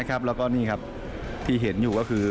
แล้วก็นี่ครับที่เห็นอยู่ก็คือ